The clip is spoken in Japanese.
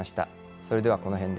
それではこの辺で。